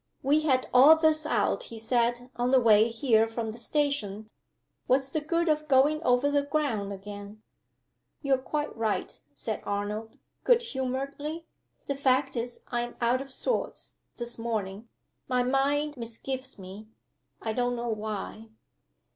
"We had all this out," he said, "on the way here from the station. What's the good of going over the ground again?" "You're quite right," said Arnold, good humoredly. "The fact is I'm out of sorts, this morning. My mind misgives me I don't know why."